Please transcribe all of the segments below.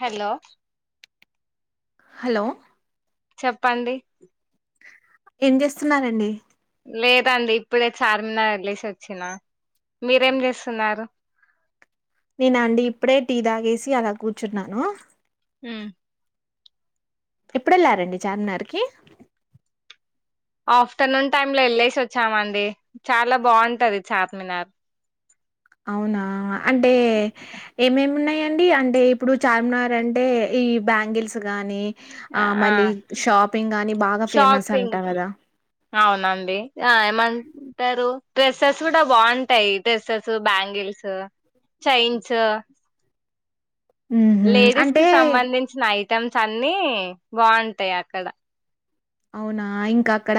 Hello hello చెప్పండి ఏం చేస్తున్నారండి లేదండి ఇప్పుడే చార్మినార్ వెళ్లేసి వచ్చిన మీరేం చేస్తున్నారు నేనా అండి ఇప్పుడే టీ తాగేసి అలా కూర్చున్నాను ఉమ్ ఎప్పుడు వెళ్లారండి చార్మినార్ కి ఆఫ్టర్నూన్ టైమ్ లో వెళ్ళేసి వచ్చామండి చాలా బాగుంటది చార్మినార్ అవునా అండి అండి ఇప్పుడు చార్మినార్ అంటే ఈ బ్యాంగిల్స్ గాని ఆ ఆ మళ్ళీ షాపింగ్ బాగా ఫేమస్ అంట షాపింగ్ కదా అవునండి ఆ ఏమంటారు డ్రెస్సెస్ గుడా బాగుంటాయి డ్రెస్సెస్ బ్యాంగిల్స్ చైన్స్ ఉహుమ్ లేడీస్ కి అంటే సంబంధించిన ఐ ఐటమ్స్ అన్ని బాగుంటాయి అక్కడ అవునా ఇంకా అక్కడ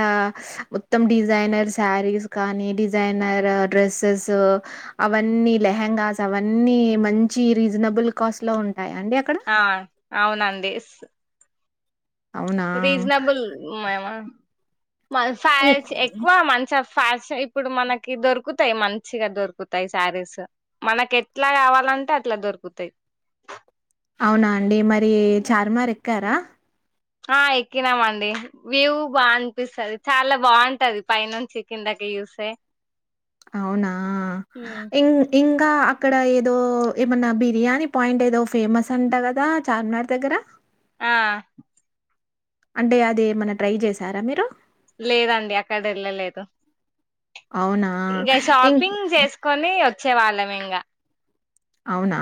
మొత్తం డిజైనర్ శారీస్ కానీ డిజైనర్ డ్రెస్ అవన్నీ లేహంగస్ అవ్వనీ మంచి రీజనబుల్ కాస్ట్ లో ఉంటాయ్ ఆ అవునండి అవునా రిజనబుల్ ఉన్నాయా మల్ ఇం ఫైల్స్ ఎక్కువ మంచం ఫ్యాషన్ ఇప్పుడు మనకి దొరుకుతాయి మంచిగా దొరుకుతాయి శారీస్ మనకి ఎట్లా కావాలంటే అట్లా దొరుకుతాయి అవునా అండి మరి చార్మినార్ ఎక్కారా ఆ ఎక్కినా మండి వ్యూ బా అనిపిస్తది చాలా బాగుంటది పై నుంచి కిందకి చూస్తే అవునా ఇంగ్ ఇంగ్ ఇంకా అక్కడ ఏదో ఏమన్నా బిర్యానీ పాయింట్ ఏదో ఫేమస్ అంటా కదా చార్మినార్ దగ్గర ఆ అంటే అది ఏమన్నా ట్రై చేశారా మీరు లేదండి అక్కడ ఎళ్ళలేదు అవునా ఇంకా ఇం షాపింగ్ చేసుకొని వ చే వాళ్ళమింగా అవునా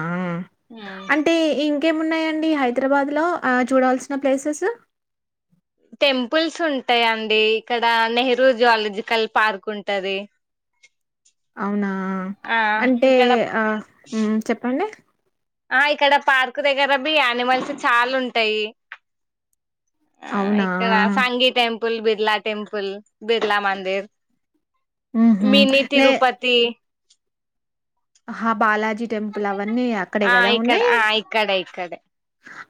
అంటే ఇన్ ఇంకేమున్నాయండి హైదరాబాద్ లో చూడాల్సిన ప్లేసెస్ టెంపుల్స్ ఉంటాయండి ఇక్కడ నెహ్రూ జువాలజికల్ పార్క్ ఉంటది అవునా ఆ అంటే ఇక్కడ ఆ హుమ్ చెప్పండి ఆ ఇక్కడ పార్క్ దగ్గర బి యానిమల్స్ చాలా ఉంటాయి ఆ అవునా ఇక్కడ సంగీ టెం బిర్లా టెంపుల్ బిర్లా మందిర్ ఊహూ మినీ నే తిరుపతి హ బాలా టెంపుల్ అవన్నీ అక్కడే ఆ కదా ఇక్కడ ఉన్నాయి ఆ ఇక్కడే ఇక్కడే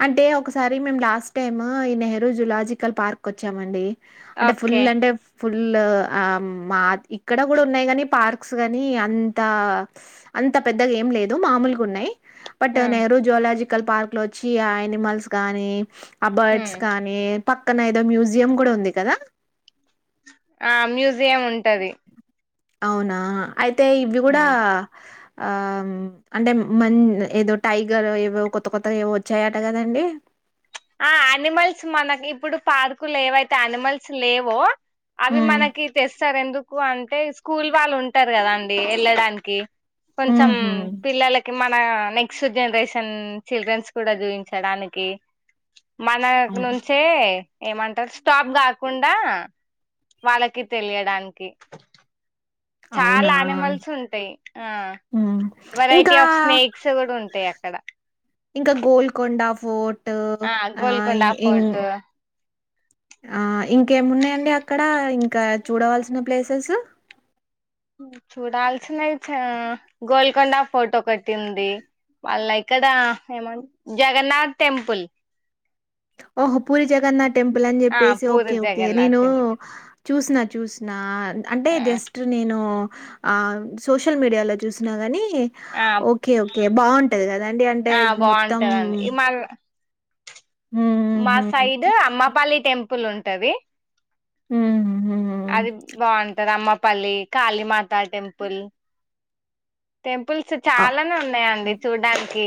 అంటే ఒకసారి మేము లాస్ట్ టైమ్ ఈ నెహ్రూ జులాజికల్ పార్క్ వచ్చామండి అంటే ఫుల్ ఓకే అంటే ఫుల్ ఆ మా ఇక్కడ కూడా ఉన్నాయి కాని పార్క్స్ గాని అంతా అంత పెద్దగా ఏం లేదు మామూలుగా ఉన్నాయి బట్ హ్మ్ నెహ్రూ జువలజికల్ కల్ పార్క్ లో వచ్చి అనిమల్స్ గాని ఆ బర్డ్స్ హ్మ్ కానీ పక్కన ఏదో మ్యూజియం కూడా ఉంది కదా ఆ మ్యూజియం ఉంటది అవునా ఆ అయితే ఇవి కూడా హ్మ్ ఆ అంటే మ ఏదో టైగర్ ఏవో కొత్త కొత్తగా ఏవో వచ్చాయట కదండి ఆ అనిమల్స్ మనకి ఇప్పుడు పార్కులు ఏవైతే అనిమల్స్ లేవో అవి ఉమ్ మనకి తెస్ సార్ ఎందుకు అం టే స్కూల్ వాళ్ళు ఉంటారు కదా అం డి ఎల్లాడానికి కొంచెం ఉహు పిల్లలకి మ ఆ నెక్స్ట్ జనరేషన్ చిల్డ్రన్స్ కూడా చూయిించడానికి మన అవును నుంచే ఏమంటారు స్టాప్ కాకుండా వాళ్ళకి తెలియడానికి అవునా చాలా అనిమల్స్ ఉంటాయి, ఆ హ్మ్ ఇంకా వెరైటీ ఆఫ్ స్నేక్స్ కూడా ఉంటాయి అక్కడ ఇంకా గోల్కొండ ఫోర్ట్ ఆ గోల్కొండ ఇ- ఇం ఫోర్టూ ఆ ఇంకేమున్నాయండి అక్కడ ఇంకా చూడవలసిన ప్లేసెస్ చూడాల్సినవి చ గోల్కొండ ఫోటో ఒకటి ఉంది, వాళ్ళ ఎక్కడ ఏమన్ జగన్నాథ్ టెంపుల్ ఓహో పూరి జగన్నాథ్ టెంపుల్ అని ఆ చెప్పేసి పూరి ఓకే ఓకే జగన్నాథ్ నేనూ టెంపుల్ చూసిన చూసినా అంటే జస్ట్ నేనూ ఆ సోషల్ మీడియాలో చూసిన గని కే ఆ ఓకే ఓ కే బాగుంటది కద్ ఆ బాగుంటదండి ఇ మ హ్మ్ మా హ్మ్ సైడ్ అమ్మపల్లి టెంప్ పుల్ ఉంటది మ్ అది బాగుంటది అమ్మ ప్ పల్లి కాళీ మాత టెంపల్ టెం పుల్స్ హ్మ్ చాలానే ఉన్నాయండి చూడ్డానికి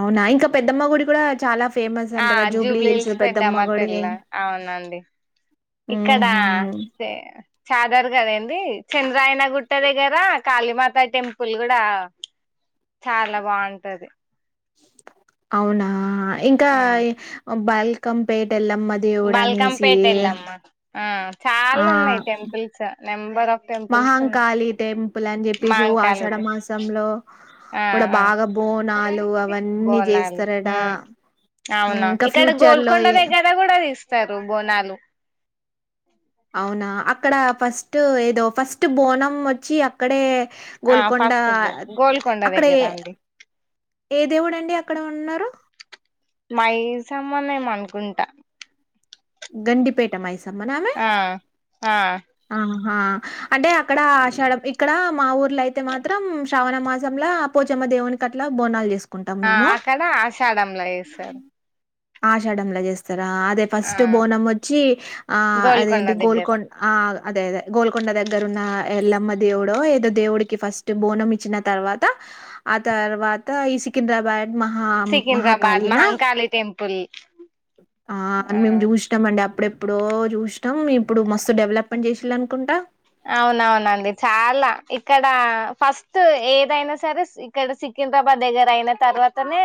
అవునా ఇంక పెద్దమ్మ గుడి కూడా చాలా ఫేమస్ ఆ అంట కదా జూబ్లీ హిల్స్ పెద్దమ్మ గుడి పెద్దమ్మతల్ల అవునండి ఇక్కడ ఉహు చె చాదారు ఘాట్ ది చంద్రాయన గుట్ట దగ్గర కాళీమాత టెంపుల్ కూడా చాల బాగుంటది. అవునా ఇంకా ఆ ఇ బల్కంపేట్ ఎల్లమ్మ దేవుడు అనేసి. బాల్కంపేట ఎల్లమ్మ ఆ చాలున్నాయి టెంపుల్స్. నెంబర్ ఆఫ్ టెంపుల్స్ ఉన్నాయి మహాంకాళి టెంపుల్ అని చెప్పేసి ఓ మాంకాళి ఆషాఢ మాసంలో. ఆ కూడా అ బాగా బోనాలు అవన్నీ బోనాలు చేస్తారట హమ్ అవునా ఇంకా ఇక్కడ ఫ్యూచర్ లో గోల్కొండ దగ్గర కూడా తిస్తరు బోనాలు. అవునా అక్కడ ఫస్ట్ ఏదొ ఫస్ట్ బోనం ఒచ్చి అక్కడే. ఆ గోల్కొండా ఫస్ట్ బోన్ గోల్కొండ అక్కడ దగ్గర ఏ అండి ఏ దేవుడు అండి అక్కడ ఉన్నార్. మై సమ్మనే ఏమ అనుకుంటా. గండిపేట మైస్ ఆ ఆ ఆహా అంటె అక్కడ ఆషాడం ఇక్కడ మా ఊర్ ల అయితే మాత్రం శ్రవణ మాస్ అ పోచమ్మ దేవుని అట్లా బోనాలు. జేసుకుంటాం ఆ మేము. అక్కడ ఆషాఢంలో చేస్తారు. ఆషాడలా చేస్తం. తర అదే ఆ ఫస్ట్ బోనం వచ్చి ఆ గోల్కొండ అదేంటి దగ్గర గోల్కొండ ఆ అదే అదే గోల్కొండ దగ్గర ఉన్న ఎల్లమ్మ దేవుడో ఏదో దేవుడికి ఫస్ట్ బోనం ఇచ్చిన తర్వాత ఆ తర్వాత ఈ సికింద్రాబాద్. మహా సికింద్రాబాద్ మహాకాళినా మహంకాలీ టెంపుల్. ఆ అని మేము చూసినమండి అప్పుడే ఎప్పుడో చూసీనము ఇప్పుడు మస్తు డెవలప్మెంట్ చేసిల్లు అనుకుంటా. అవునవునండి చాలా ఇక్కడ ఫస్ట్ ఏదైనా సరే ఇక్కడ సికింద్రాబాద్ దగ్గర అయిన తర్వాతనే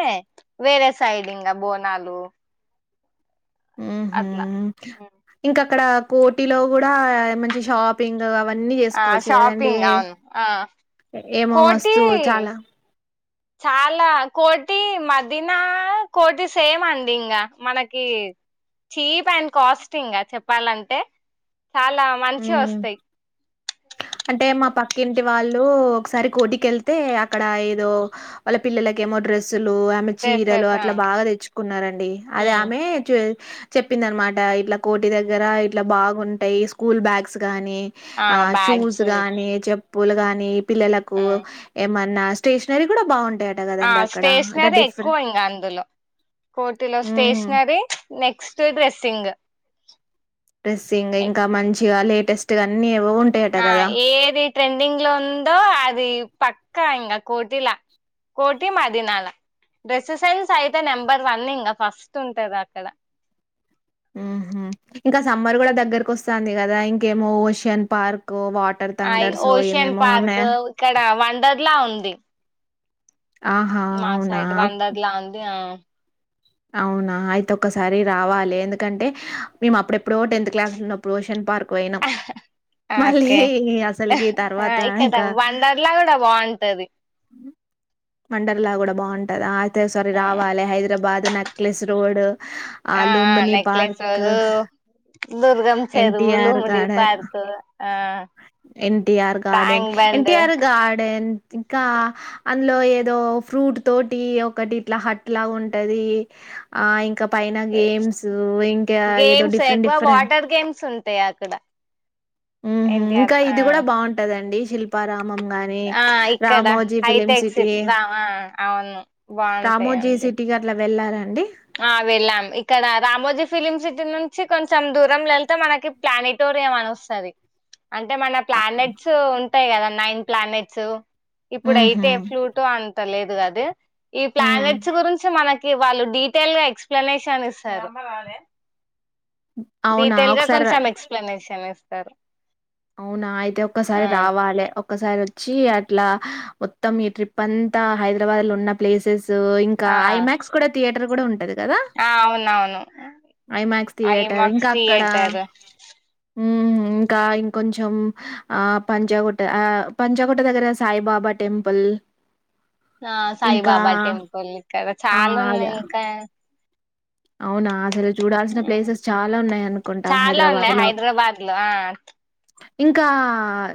వేరే సైడ్ ఇంకా బోనాలు. అట్లా ఇక్కడ కోటిలో కూడా మంచి షాపింగ్ అవన్నీ ఆ చేసుకోవచ్చు. కదండి షాపింగ్ అవును ఆ ఏమో కోటి మస్తు చాలా చాలా కోటి మదీన కోటి సేమ్ అండి ఇంకా మనకి చీప్ అండ్ కాస్ట్ ఇంకా చెప్పాలంటే, చాలా మంచి ఉమ్ వస్తాయి అంటే మా పక్కింటి వాళ్ళు. ఒకసారి కోటి కి వెళ్లితే అక్కడ ఏదో వాళ్ళ పిల్లలకి ఏమో డ్రె అసలు ఆమె చీరలు డ్రెస్సెస్ ఆ అట్ల బాగా తెచ్చుకున్నారండి అది ఉమ్ ఆమె చె హా చెప్పిందనమాట ఇట్ల కోటి దగ్గర ఇట్ల బాగు ఉన్ టై యిస్ స్కూల్ బ్యాగ్స్ గానీ నీ ఆ షూస్ గానీ చెప్ పూలుగానీ ఇప్ పిల్లలకు ఎమన్ నా స్టేషనరీ కూడా బాగు ఆ స్టేషనరీ ఎక్కువ ఇంగ అందులో కోర్టులో హుహు. స్టేషనరీ నెక్స్ట్ డ్రెస్సింగ్ డ్రెస్సింగ్ ఇంక మంచి ఇగ లేటెస్ట్ గా అన్ని అవ్ ఆ ఏది ట్రెండింగ్ లో ఉందో అది పక్ క్క ఇంగ కోటిలా కోటి మదినాల డ్రెస్ సెన్స్ అయితే నెంబర్ వన్ ఇంగ ఫస్ట్ ఉంటది అక్కడ మ్మ్ హ్హ్ ఇంక సమ్మర్ గుడా దగ్గరకు వస్ తంది గదా ఇంకేమో ఓషియన్ పార్ అ ఇగ ఓషియన్ పార్క్ ఉన్నాయా ఉ ఇక్కడ వండర్లా ఉంది ఆహా మా అవునా సైడు వండర్ లా ఉంది ఆ అవునా అయితే ఒక్కసారి రావాలె ఎందుకంటే హ్ మేము అప్పుడెప్పుడో టెన్త్ క్లాస్ లున్నపుడు ఓషియన్ పార్ ఓకే అసలుకి తర్వాత ఇక్కడ వండర్లా గుడా బాగుంటది మ్ వండర్లా గుడా బాగుంటది ఆగ్ తే ఓసారి ఆ రావాలె హైదరాబాద్ నక్లెస్ రోడ్ ఆ ఆ Lumbini necklace park road, Durgam చెరువులు, ఎన్టీఆర్ లూమ్డి గార్డెన్ పార్క్ ఆ NTR garden tank bund NTR garden ఇంకా ఆ లో ఏదో ఫ్రూట్ తోటి ఒకటి ఇట్ల హట్ లాగా ఉంటది ఆ ఇంక్ ఇంక పైన గేమ్స్ ఇంక ఏదో గేమ్స్ డిఫరెంట్ ఎక్కువ డిఫరెంట్ వాటర్ గేమ్స్ ఉంటాయి అక్కడ మ్మ్ హ్హ్ ఇంక ఎన్టీఆర్ ఆ ఇది గుడా బాగుంటదండి శిల్పారామ్ మమ్ గాని ఆ ఇక్కడ రామోజీ ఫిలిమ్ సి హైటెక్ సిటీ రామా అవును బాగుంటయి అండి వెళ్ళారా ఆ వెళ్ళాం ఇక్కడ రామోజీ ఫిలిమ్ సిటీ నుం చి కొంచం దూరంలో ఎళ్తే మనకి ప్లానిటోరియం అని వస్తది అంటే మన ప్లానెట్స్ ఉ టయి కదా నైన్ ప్లానెట్స్ ఉహు ఇప్పుడయితే ఫ్లూటో అం త లేదు అదీ ఈ ఉ ప్లానెట్స్ గురించి మన కి వాళ్ళు డి టెల్గా ఎక్స్ప్లనేషన్ ఇస్తారు. అవునా డీటెయిల్గా ఒకసారి కొంచెం ఎక్స్ప్లెనేషన్ ఇస్ స్తరు అవునా అయితే ఒక్కసారి రావాలె ఒకసారి వచ్చి అట్లా మొత్తం ఈ ట్రిప్ అంతా హైదరాబాద్లున్న ప్లేసెస్ సూ ఇంకా ఆ ఐమాక్స్ కూడా థియేటర్ కూడా ఉంటది. కదా ఆ అవునవును ఐమాక్స్ థియేటర్ ఐమాక్స్, థియేటర్ మ్ ఇంకా ఇం కొంచం ఆ పంజాగుట్ ఆ పంజాగుట్ట దగ్గర సాయిబాబా టెంపుల్ ఆ ఇంకా సాయిబాబా టెంపుల్ ఇక్కడ ఆ చాలా అదే ఉన్నయి ఇంకా అవునా అసలు చూడాల్సిన ఉమ్, ప్లేసెస్ చాలా ఉన్నాయి అనుకుంటా చాలా హైదరాబాద్ ఉన్నాయి లో హైదరాబాద్ లో ఆ ఇంకా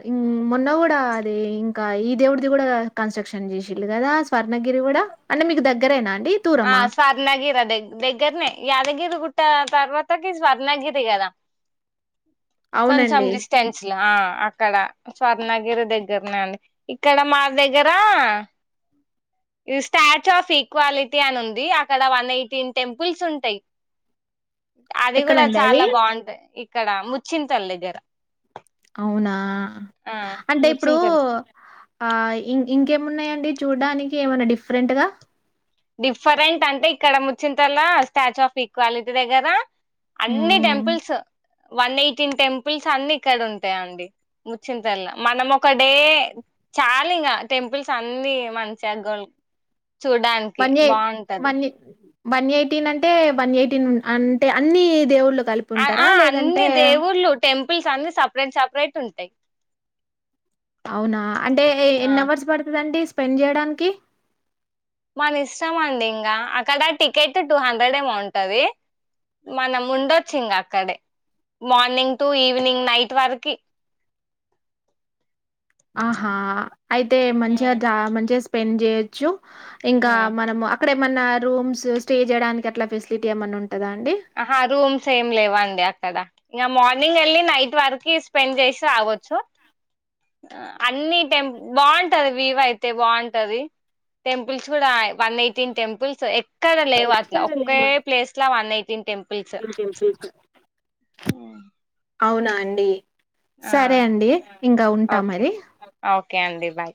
ఇన్ మొన్న గుడా అది ఇంకా ఈ దేవుడ్ది కూడా కన్స్ట్రక్షన్ చేసిన్లు కదా స్వర్ణగిరి కూడా అంటే మీకు దగ్గరేనా ఆ దూరమా స్వర్నగిరా దగ్ దగ్గర్నే యాదగిరి గుట్ట తర్వాతకి స్వర్ణగిరి కదా కొంచం అవునండి డిస్టెన్స్లో ఆ అక్కడ స్వర్ణగిరి దగ్గర్నే అండి ఇక్కడ మా దగ్గర ఇ స్టాచ్యూ ఆఫ్ ఈక్వాలిటీ ట్యాన్ ఉంది అక్కడ వన్ ఎయిటీన్ టెంపుల్స్ ఉంటయి. అది కూడా ఎక్కడండి అది చాలా బాగుంటయి ఇక్కడ ము చింతాల్ దగ్గర అవునా ఆ అంటే ఇప్పుడూ ముచ్చింతల్ ఆ ఇం ఇంకేమున్నాయండి చూడ్డానికి ఏమన్నా డిఫ్రెంట్గా డిఫరెంట్ అంటే ఇక్కడ ముచ్చంల్లా స్టాచ్యూ ఆఫ్ ఈక్వాలిటీ దగ్గరా అన్ని హ్మ్ టెంపుల్స్ వన్ ఎయిటీన్ టెంపుల్స్ అన్ని ఇక్కడుంటయండి. ముచ్చింతల్ల మనం ఒక డే చాలింగ టెంపుల్స్ అన్ని మంచిగా గోల్ చూడ్డన్ బన్చేయ్ బన్జెయి వన్ ఎయిటీన్ అంటే వన్ ఎయిటీన్ ఉన్ అంటే అన్ని దేవుళ్ళ ఆ అన్ని దేవుళ్ళలు టెంపుల్స్ అన్ని సపరేట్ సాపరైట్ ఉంటాయి అవునా అంటే ఎన్ని అవర్స్ పడుతదండి స్పెండ్ చేయడానికి మన ఇష్టం అండి ఇంకా, అక్కడ టికెట్ టూ హండ్రెడ్ ఏమౌంటది, మనం ఉండొచ్చు ఇంకా అక్కడే, మార్నింగ్ టు ఈవినింగ్ నైట్ వరకి ఆహా అయితే ఉమ్ మంచిగా [unintelligible] మంచిగా స్పెండ్ చేయోచ్చు ఇంకా ఉమ్ మనము అక్కడే ఏమన్నా రూమ్స్ స్టే చేయడానికి అట్లా ఫెసిలిటీ ఏమన్నా ఉం ఆహా రూమ్స్ ఏం లేవండి అక్కడ ఇంక మార్నింగ్ వెళ్ళి నైట్ వరకి స్పెండ్ చేసి ఆగొచ్చు అన్ని టెంపుల్ బాగుంటది వివ్ అయితే బాగుంటది, టెంపుల్స్ కూడా వన్ ఎయిటీన్ టెంపుల్స్ కదా లేవు అట్లా ఒకే ప్లేస్ లా వన్ అయి [unintelligible] [inaudible] అవునా అండి ఆ సరే అండి ఇంకా ఉంటా ఓకే మరి ఓకే అండి బాయ్